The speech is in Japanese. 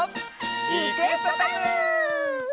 リクエストタイム！